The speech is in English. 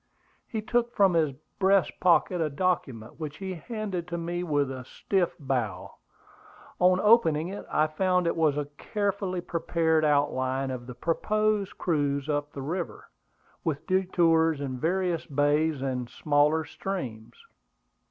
He took from his breast pocket a document, which he handed to me with a stiff bow. On opening it, I found it was a carefully prepared outline of the proposed cruise up the river, with detours in various bays and smaller streams.